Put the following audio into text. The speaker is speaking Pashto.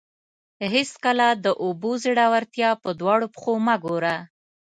هېڅکله د اوبو ژورتیا په دواړو پښو مه ګوره.